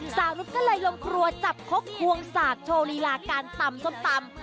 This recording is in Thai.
นุษย์ก็เลยลงครัวจับคกวงสากโชว์ลีลาการตำส้มตำ